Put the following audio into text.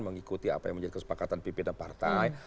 mengikuti apa yang menjadi kesepakatan pimpinan partai